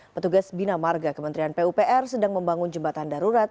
petugas bina marga kementerian pupr sedang membangun jembatan darurat